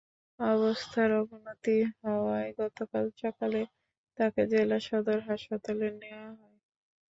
অবস্থার অবনতি হওয়ায় গতকাল সকালে তাঁকে জেলা সদর হাসপাতালে নেওয়া হয়।